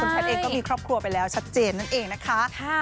มีครอบครัวไปแล้วชัดเจนนั่นเองนะคะ